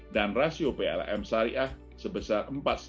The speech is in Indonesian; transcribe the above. dan rasio plm syariah sebesar empat lima